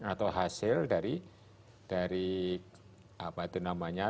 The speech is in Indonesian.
atau hasil dari apa itu namanya